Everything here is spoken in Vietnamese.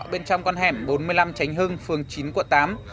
bên trong con hẻm bốn mươi năm tránh hưng phường chín quận tám